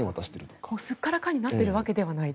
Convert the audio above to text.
すっからかんになっているわけではない。